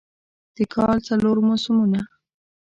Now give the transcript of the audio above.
د کال څلور موسمونه